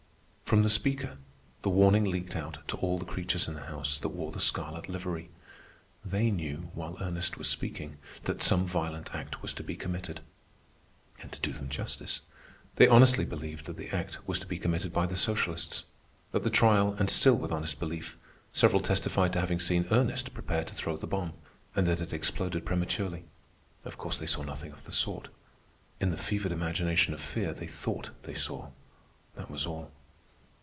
From the Speaker the warning leaked out to all the creatures in the House that wore the scarlet livery. They knew, while Ernest was speaking, that some violent act was to be committed. And to do them justice, they honestly believed that the act was to be committed by the socialists. At the trial, and still with honest belief, several testified to having seen Ernest prepare to throw the bomb, and that it exploded prematurely. Of course they saw nothing of the sort. In the fevered imagination of fear they thought they saw, that was all.